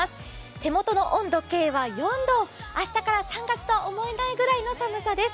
手元の温度計は４度、明日から３月とは思えないくらいの寒さです。